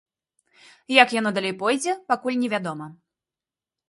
Як яно далей пойдзе, пакуль невядома.